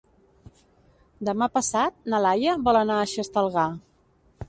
Demà passat na Laia vol anar a Xestalgar.